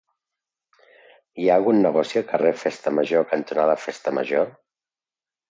Hi ha algun negoci al carrer Festa Major cantonada Festa Major?